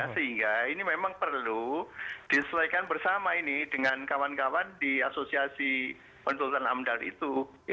sehingga ini memang perlu disesuaikan bersama ini dengan kawan kawan di asosiasi konsultan amdal itu